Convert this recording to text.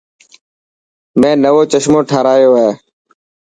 مين نوو چشمو ٺارايو هي.